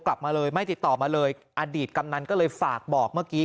กลับมาเลยไม่ติดต่อมาเลยอดีตกำนันก็เลยฝากบอกเมื่อกี้